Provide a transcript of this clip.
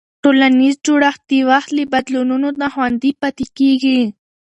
ټولنیز جوړښت د وخت له بدلونونو نه خوندي پاتې کېږي.